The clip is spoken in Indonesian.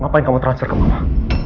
ngapain kamu transfer ke mama